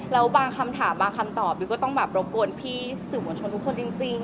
แล้วบางคำถามบางคำตอบดิวก็ต้องแบบรบกวนพี่สื่อมวลชนทุกคนจริง